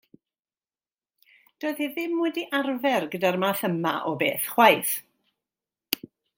Doedd hi ddim wedi arfer gyda'r math yma o beth chwaith.